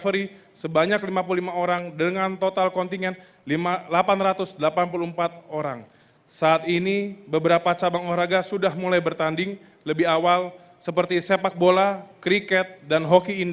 raya kebangsaan indonesia raya